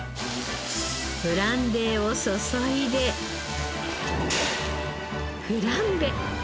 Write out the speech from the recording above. ブランデーを注いでフランベ。